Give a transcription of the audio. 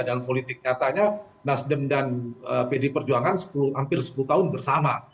dan politiknya tanya nasdem dan pd perjuangan hampir sepuluh tahun bersama